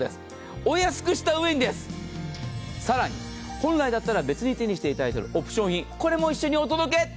お安くしたうえにです、更に、本来だったら別に手にしていただいているオプション品、これも一緒にお届け。